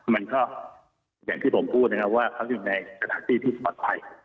มันก็อย่างที่ผมพูดนะครับว่าเขาอยู่ในสถานที่ที่ปลอดภัย